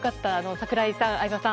櫻井さん、相葉さん